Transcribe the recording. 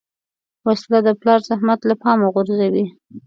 وسله د پلار زحمت له پامه غورځوي